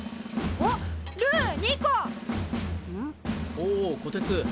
おおこてつ！